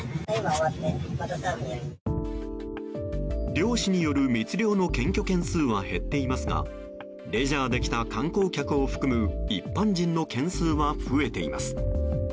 漁師による密漁の検挙件数は減っていますがレジャーで来た観光客を含む一般人の件数は増えています。